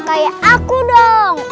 kayak aku dong